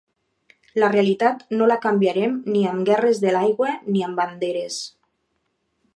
La realitat no la canviarem ni amb guerres de l’aigua ni amb banderes.